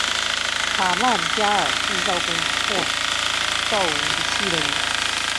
卡曼加尔即造弓或造武器的人。